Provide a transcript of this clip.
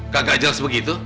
gak gajal sebegitu